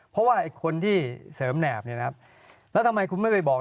เพราะว่าไอ้คนที่เสริมแหนบเนี่ยนะครับแล้วทำไมคุณไม่ไปบอก